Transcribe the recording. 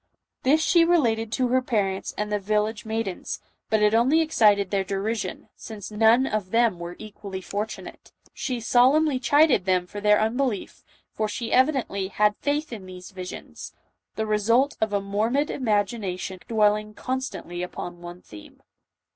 This she related to her parents and the village maidens, but it only excited their derision, since none of them were equally fortunate. She solemnly chided them for their unbelief, for she evidently had faith in these visions — the result of a morbid imagination, dwelling constantly upon one theme.